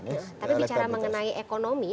tapi bicara mengenai ekonomi